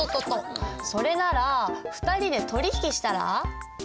それなら２人で取引したら？